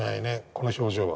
この表情は。